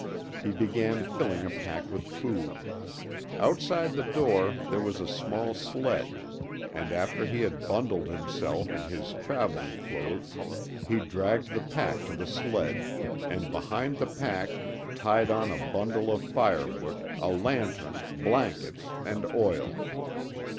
He began filling a pack with food. Outside the door there was a small sledge, and after he had bundled himself in his traveling clothes he dragged the pack to the sledge, and behind the pack tied on a bundle of firewood, a lantern, blankets, and oil.